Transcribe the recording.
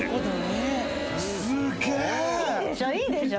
いいでしょ？